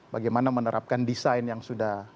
bagaimana menerapkan desain yang sudah